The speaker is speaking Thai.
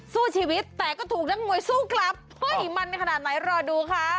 สู้ชีวิตแต่ก็ถูกนักมวยสู้กลับเฮ้ยมันขนาดไหนรอดูค่ะ